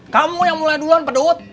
kamu yang mulai duluan pedowot